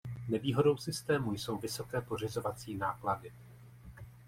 Nevýhodou systému jsou vysoké pořizovací náklady.